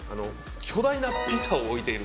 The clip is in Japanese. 巨大なピザを置いている。